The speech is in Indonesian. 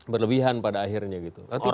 berlebihan pada akhirnya gitu